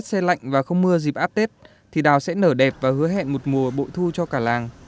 sau dịp áp tết thì đào sẽ nở đẹp và hứa hẹn một mùa bội thu cho cả làng